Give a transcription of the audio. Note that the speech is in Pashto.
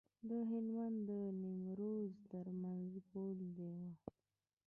د هلمند او نیمروز ترمنځ پوله وه.